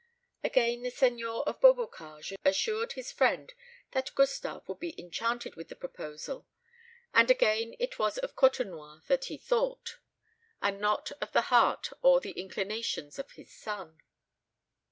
Again the seigneur of Beaubocage assured his friend that Gustave would be enchanted with the proposal; and again it was of Côtenoir that he thought, and not of the heart or the inclinations of his son.